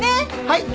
はい。